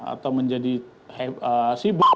atau menjadi sibuk